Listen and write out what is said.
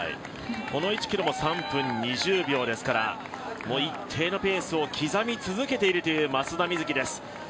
この１ｋｍも３分２０秒ですから一定のペースを刻み続けているという松田瑞生です。